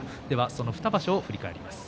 その２場所を振り返ります。